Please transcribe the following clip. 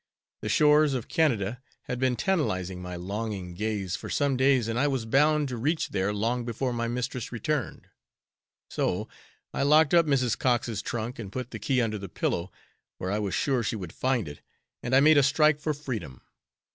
The shores of Canada had been tantalizing my longing gaze for some days, and I was bound to reach there long before my mistress returned. So I locked up Mrs. Cox's trunk and put the key under the pillow, where I was sure she would find it, and I made a strike for freedom!